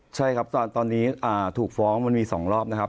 ใช่ครับตอนนี้ถูกฟ้องมันมี๒รอบนะครับ